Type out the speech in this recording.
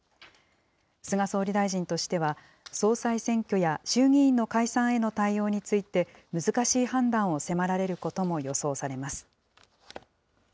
菅総理大臣としては、総裁選挙や衆議院の解散への対応について、難しい判断を迫られることも予想されます。